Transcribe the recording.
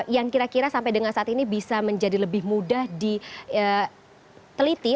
yang kira kira sampai dengan saat ini bisa menjadi lebih mudah diteliti